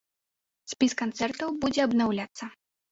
Спіс канцэртаў будзе абнаўляцца.